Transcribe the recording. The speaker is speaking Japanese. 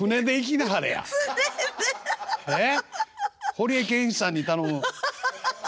堀江謙一さんに頼む。